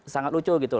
sangat lucu gitu